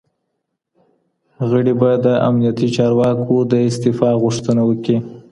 غړي به د امنيتي چارواکو د استعفا غوښتنه وکړي.